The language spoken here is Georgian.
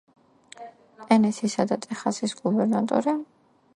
ტენესისა და ტეხასის გუბერნატორი.